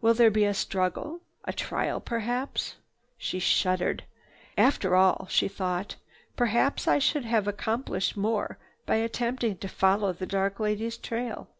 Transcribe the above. Will there be a struggle, a trial perhaps?" She shuddered. "After all," she thought, "perhaps I should have accomplished more by attempting to follow the dark lady's trail."